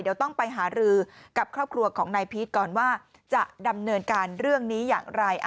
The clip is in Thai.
เดี๋ยวต้องไปหารือกับครอบครัวของนายพีชก่อนว่าจะดำเนินการเรื่องนี้อย่างไร